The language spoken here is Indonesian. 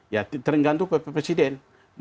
ya tergantung oleh presiden